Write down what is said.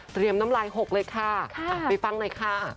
เตรียมน้ำลายหกเลยค่ะไปฟังเลยค่ะ